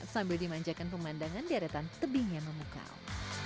sambil dimanjakan pemandangan di hadatan tebing yang memukau